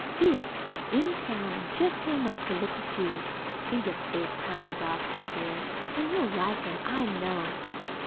"He was in town an' jest came up to look at you. He's a big, kind doctor, dear, an' you'll like him, I know."